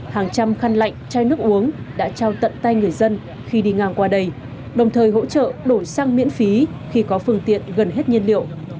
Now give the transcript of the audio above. hàng trăm khăn lạnh chai nước uống đã trao tận tay người dân khi đi ngang qua đây đồng thời hỗ trợ đổi sang miễn phí khi có phương tiện gần hết nhiên liệu